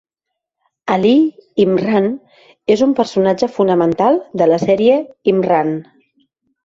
Ali Imran és un personatge fonamental a la sèrie Imran.